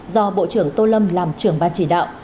do bộ trưởng tô lâm làm trưởng ban chỉ đạo